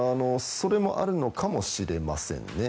それもあるのかもしれませんね。